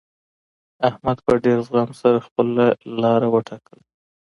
احمد په ډېر زغم سره خپله لاره وټاکله.